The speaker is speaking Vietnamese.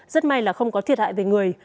rất may là không có thiệt hại về người